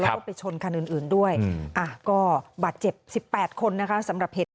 แล้วก็ไปชนคันอื่นอื่นด้วยอ่ะก็บาดเจ็บสิบแปดคนนะคะสำหรับเหตุ